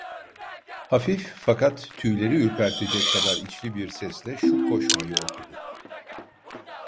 Hafif, fakat tüyleri ürpertecek kadar içli bir sesle şu koşmayı okudu: